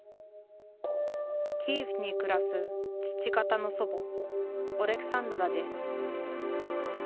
キーウに暮らす父方の祖母オレクサンドラです。